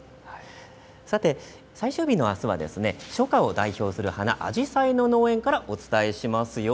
さて最終日のあすは初夏を代表する花、アジサイの農園からお伝えしますよ。